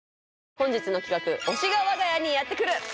本日の企画「推しが我が家にやってくる」